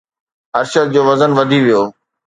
ارشد جو وزن وڌي ويو